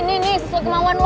nih nih sesuatu kemauan lo